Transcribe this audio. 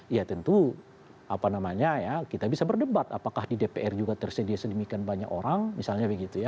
ya tentu apa namanya ya kita bisa berdebat apakah di dpr juga tersedia sedemikian banyak orang misalnya begitu ya